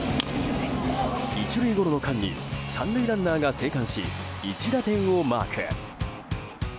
１塁ゴロの間に３塁ランナーが生還し１打点をマーク。